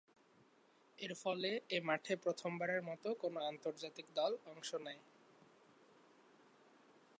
এরফলে এ মাঠে প্রথমবারের মতো কোন আন্তর্জাতিক দল অংশ নেয়।